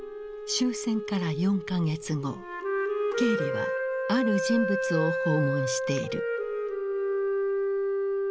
終戦から４か月後ケーリはある人物を訪問している。